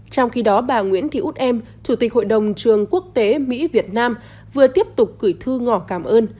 trong khi đó bà nguyễn thị út em chủ tịch hội đồng trường quốc tế mỹ việt nam vừa tiếp tục gửi thư ngỏ cảm ơn